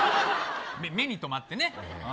目に留まってね。